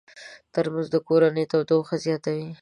ترموز د کورنۍ تودوخه زیاتوي.